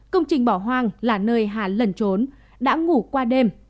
công trình bỏ hoang là nơi hà lẩn trốn đã ngủ qua đêm